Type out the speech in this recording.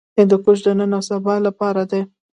هندوکش د نن او سبا لپاره دی.